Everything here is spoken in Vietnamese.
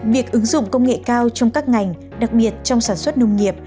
việc ứng dụng công nghệ cao trong các ngành đặc biệt trong sản xuất nông nghiệp